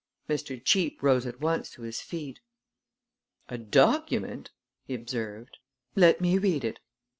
Mr. Cheape rose at once to his feet. "A document!" he observed. "Let me read it."